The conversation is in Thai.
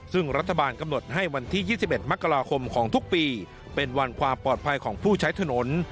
ซึ่งรัฐบาลกำหนดให้วันที่๒๑มกราคมของทุกปีเป็นวันความปลอดภัยของผู้ใช้ถนน